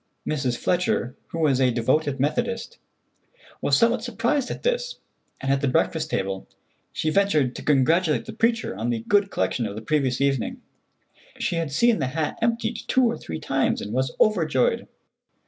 Mrs. Fletcher, who was a devoted Methodist, was somewhat surprised at this, and at the breakfast table she ventured to congratulate the preacher on the good collection of the previous evening. She had seen the hat emptied two or three times, and was overjoyed.